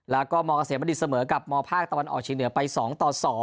แล้วก็มเกษมณฑิตเสมอกับมภาคตะวันออกเชียงเหนือไป๒ต่อ๒